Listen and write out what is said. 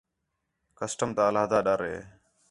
کسٹم تا علیحدہ ڈَر ہِے